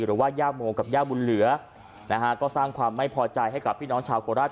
ย่าโมกับย่าบุญเหลือนะฮะก็สร้างความไม่พอใจให้กับพี่น้องชาวโคราช